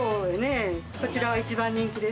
こちらは一番人気です。